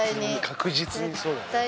確実にそうだ。